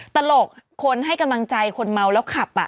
ตลกคนให้กำลังใจคนเมาแล้วขับ